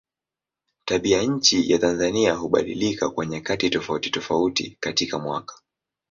Tabianchi ya Tanzania hubadilika kwa nyakati tofautitofauti katika mwaka.